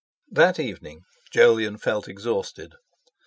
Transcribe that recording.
That evening Jolyon felt exhausted.